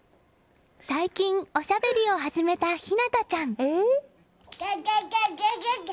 最近、おしゃべりを始めた陽向ちゃん。